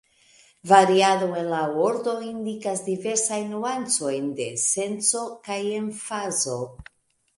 Variado en la ordo indikas diversajn nuancojn de senco kaj emfazo.